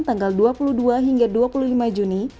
tanggal dua puluh dua hingga dua puluh lima juni